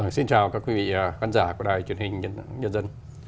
xin chào các quý vị khán giả của đài truyền hình nhân dân